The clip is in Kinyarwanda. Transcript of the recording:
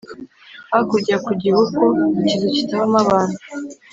hakurya ku gihuku-ikizu kitabamo abantu.